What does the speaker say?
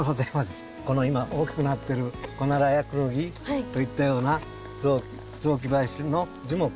この今大きくなってるコナラやクヌギといったような雑木林の樹木